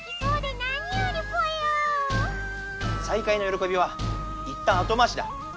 再会のよろこびはいったん後回しだ。